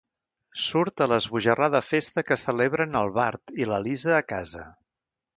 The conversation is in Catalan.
Surt a l'esbojarrada festa que celebren el Bart i la Lisa a casa.